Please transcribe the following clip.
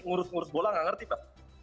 ngurus ngurus bola nggak ngerti pak